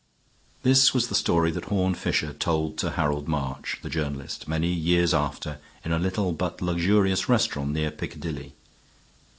This was the story that Horne Fisher told to Harold March, the journalist, many years after, in a little, but luxurious, restaurant near Piccadilly.